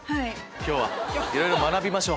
今日はいろいろ学びましょう。